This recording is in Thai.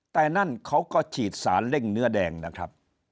แต่นั่นเขาก็ฉีดสารเร่งเนื้อแดงนะครับ